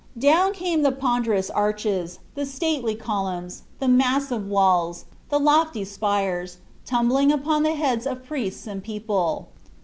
Down came the ponderous arches, the stately columns, the massive walls, the lofty spires, tumbling upon the heads of priests and people.